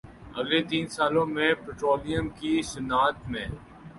اگلے تین سالوں میں پٹرولیم کی صنعت میں